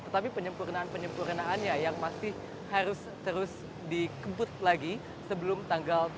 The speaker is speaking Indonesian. tapi penyempurnaan penyempurnaannya yang pasti harus terus dikebut lagi sebelum tanggal tiga puluh satu juli dua ribu delapan belas